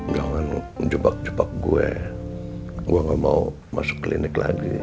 jangan ngebok jebok gue gue ga mau masuk klinik lagi